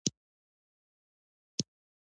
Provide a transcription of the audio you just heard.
وګړي د افغان تاریخ په ټولو کتابونو کې ذکر شوي دي.